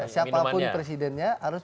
siapapun presidennya harus